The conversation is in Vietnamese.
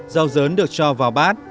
rau dấn được cho vào bát